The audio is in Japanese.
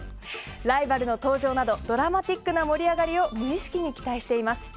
ライバルの登場などドラマティックな盛り上がりを無意識に期待しています。